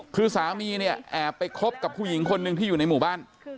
คือสามีเนี่ยแอบไปคบกับผู้หญิงคนหนึ่งที่อยู่ในหมู่บ้าน